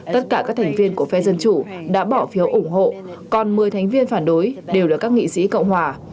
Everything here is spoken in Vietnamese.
tất cả các thành viên của phe dân chủ đã bỏ phiếu ủng hộ còn một mươi thành viên phản đối đều là các nghị sĩ cộng hòa